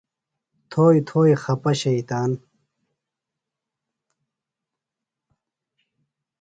تھوئی تھوئی خپہ شیطان